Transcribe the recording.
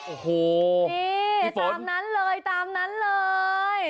โอ้โหนี่ตามนั้นเลยตามนั้นเลย